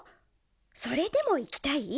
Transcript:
それでもいきたい？